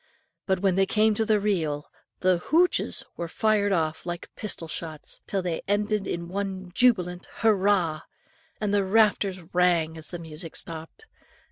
But when they came to the reel, the hoochs! were fired off like pistol shots, till they ended in one jubilant hurrah!! and the rafters rang as the music stopped.